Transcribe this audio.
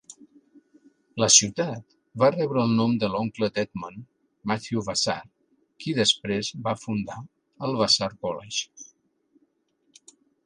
La ciutat va rebre el nom de l'oncle d'Edmund, Matthew Vassar, qui després va fundar el Vassar College.